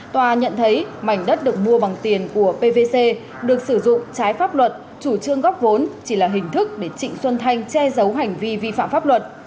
tòa nhận thấy mảnh đất được mua bằng tiền của pvc được sử dụng trái pháp luật chủ trương góp vốn chỉ là hình thức để trịnh xuân thanh che giấu hành vi vi phạm pháp luật